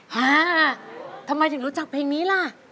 ฮ่าทำไมถึงรู้จักเพลงนี้ล่ะ